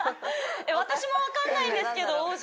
私も分かんないんですけど王子